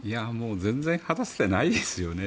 全然果たせてないですよね